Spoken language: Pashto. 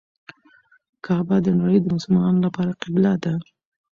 کعبه د نړۍ د مسلمانانو لپاره قبله ده.